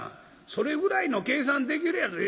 それぐらいの計算できるやろ」。